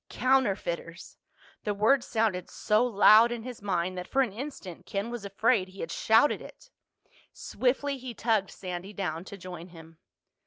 Counterfeiters! The word sounded so loud in his mind that for an instant Ken was afraid he had shouted it. Swiftly he tugged Sandy down to join him.